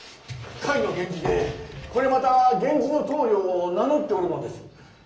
甲斐の源氏でこれまた源氏の棟梁を名乗っておるのです。